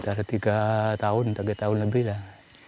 dari tiga tahun tiga tahun lebih lah